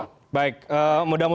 saya kira itu bapak